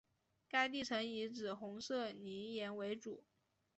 该地层以紫红色泥岩为主。